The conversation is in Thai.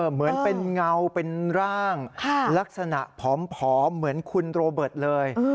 เหมือนเป็นเงาเป็นร่างลักษณะผอมเหมือนคุณโรเบิร์ตเลย